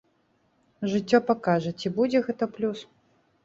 Жыццё пакажа, ці будзе гэта плюс.